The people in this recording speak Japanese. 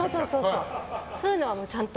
そういうのはちゃんと。